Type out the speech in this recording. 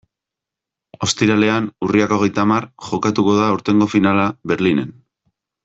Ostiralean, urriak hogeita hamar, jokatuko da aurtengo finala Berlinen.